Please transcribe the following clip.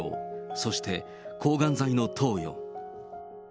そして抗がん剤の投与。